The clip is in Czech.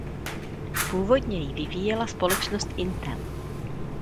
Původně ji vyvíjela společnost Intel.